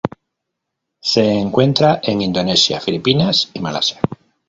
Se encuentra en Indonesia, Filipinas y Malasia.